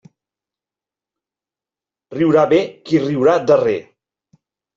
Riurà bé qui riurà darrer.